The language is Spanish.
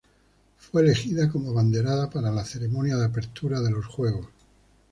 Fue elegida como abanderada para la Ceremonia de Apertura de los Juegos.